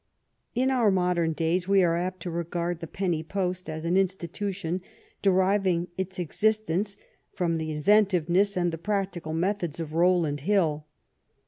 In our modem days we are apt to regard the penny post as an institution deriving its existence from the inventiveness and the practical methods of Bowland Hill.